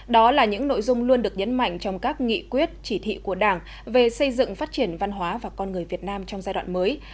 đó là những nội dung luôn được nhấn mạnh trong các nghị quyết chỉ thị của đảng về xây dựng phát triển văn hóa và con người việt nam trong giai đoạn mới